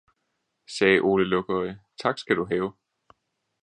sagde Ole Lukøje, Tak skal du have!